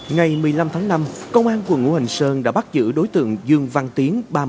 ngày một mươi năm tháng năm công an quận ngũ hành sơn đã bắt giữ đối tượng dương văn tiến